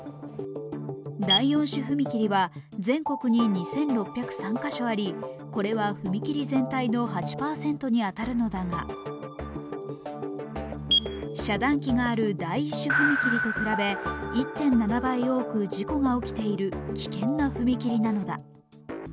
第４種踏切は全国に２６０３カ所ありこれは踏切全体の８％に当たるのだが遮断機がある第１種踏切と比べ１．７倍多く事故が起きている危険な踏切なのだ。